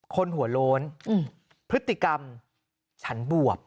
คนหัวโล้นพฤติกรรมฉันบวบ